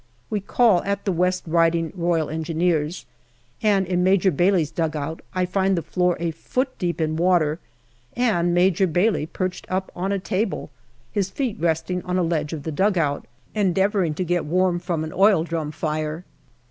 We call at the West Riding R.E., and in Major Bailey's dugout I find the floor a foot deep in water and Major Bailey perched up on a table, his feet resting on a ledge of the dugout, endeav ouring to get warm from an oil drum fire.